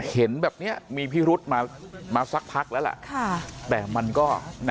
เห็นแบบเนี้ยมีพี่รุษมามาสักพักแล้วล่ะค่ะแต่มันก็นะ